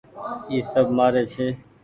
اي سب مهآري ڇي